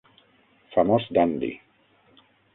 famós Dandi